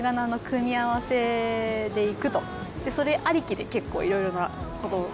でいくとそれありきで結構いろいろなことを。